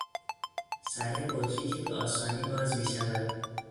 سر بطری که به آسانی باز میشود